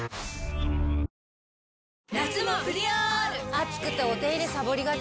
暑くてお手入れさぼりがち。